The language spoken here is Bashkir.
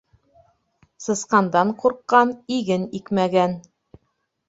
Сысҡандан ҡурҡҡан иген икмәгән.